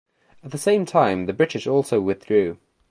At the same time the British also withdrew.